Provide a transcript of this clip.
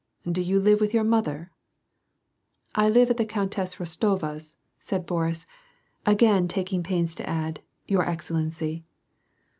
*' Do you live with your mother ?" "I live at the Countess Kostova's," said Boris, again, taking pains to add, " Your Excellency."